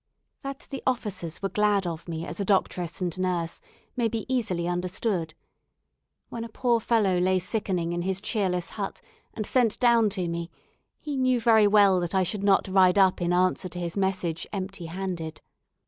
That the officers were glad of me as a doctress and nurse may be easily understood. When a poor fellow lay sickening in his cheerless hut and sent down to me, he knew very well that I should not ride up in answer to his message empty handed.